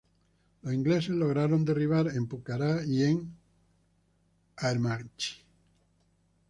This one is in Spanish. Los ingleses lograron derribar un Pucará y un Aermacchi.